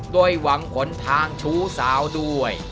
ด้วยหวังขนทางชูสาวด้วย